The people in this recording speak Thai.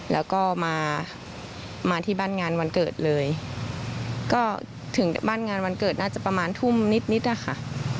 แล้วก็มามาที่บ้านงานวันเกิดเลยก็ถึงบ้านงานวันเกิดน่าจะประมาณทุ่มนิดนิดอะค่ะ